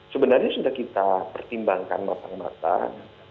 sebenarnya sudah kita pertimbangkan matang matang